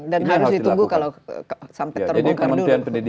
dan harus ditunggu kalau sampai terbongkar dulu